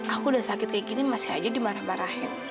aku udah sakit kayak gini masih aja dimarah marahin